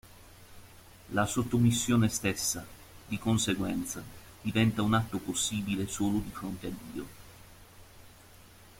La sottomissione stessa, di conseguenza, diventa un atto possibile solo di fronte a Dio.